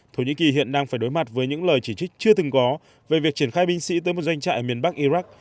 thổ nhĩ kỳ hiện đang phải đối mặt với những lời chỉ trích chưa từng có về việc triển khai binh sĩ tới một doanh trại ở miền bắc iraq